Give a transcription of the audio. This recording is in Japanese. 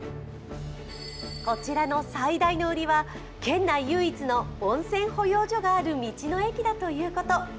こちらの最大の売りは県内唯一の温泉保養所がある道の駅だということ。